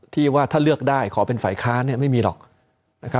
ที่ว่าถ้าเลือกได้ขอเป็นฝ่ายค้านไม่มีหรอก